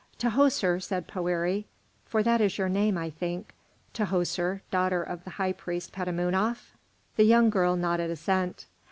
"Tahoser," said Poëri, "for that is your name, I think, Tahoser, daughter of the high priest Petamounoph?" The young girl nodded assent.